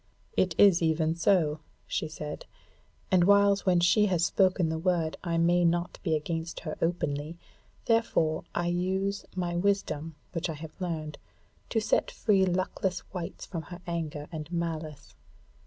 "It is even so," she said, "and whiles when she has spoken the word I may not be against her openly, therefore I use my wisdom which I have learned, to set free luckless wights from her anger and malice.